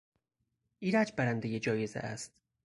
ایرج برندهی جایزه است.